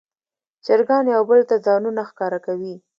چرګان یو بل ته ځانونه ښکاره کوي.